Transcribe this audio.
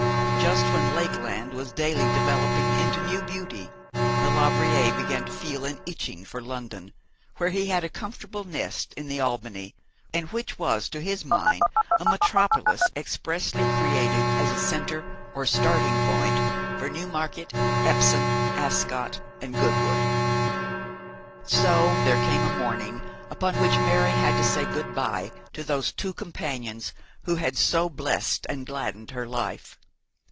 Just when Lakeland was daily developing into new beauty, Maulevrier began to feel an itching for London, where he had a comfortable nest in the Albany, and which was to his mind a metropolis expressly created as a centre or starting point for Newmarket, Epsom, Ascot and Goodwood. So there came a morning upon which Mary had to say good bye to those two companions who had so blest and gladdened her life.